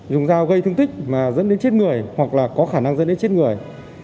dùng dao gây thương tích mà dẫn đến chết người hoặc là có khả năng dẫn đến chết người